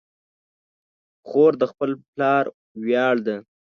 خور د خپل پلار ویاړ ده.